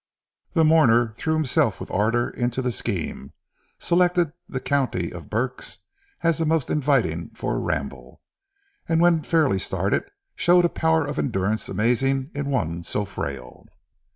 The mourner threw himself with ardour into the scheme, selected the county of Berks as the most inviting for a ramble; and when fairly started, showed a power of endurance amazing in one so frail.